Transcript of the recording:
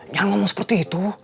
jangan ngomong seperti itu